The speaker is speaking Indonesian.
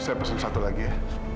saya pesan satu lagi ya